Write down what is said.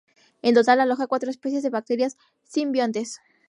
En total, aloja cuatro especies de bacterias simbiontes.